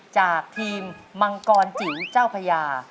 จากทีมมังกรจิ๋วเจ้าพญา